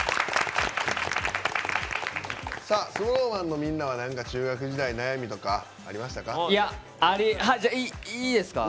ＳｎｏｗＭａｎのみんなは中学時代、悩みとかありました？